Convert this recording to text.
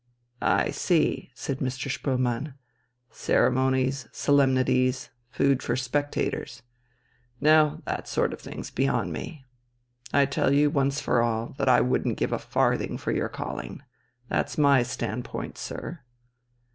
"I see," said Mr. Spoelmann. "Ceremonies, solemnities, food for spectators. No, that sort of thing's beyond me. I tell you once for all, that I wouldn't give a farthing for your calling. That's my standpoint, sir."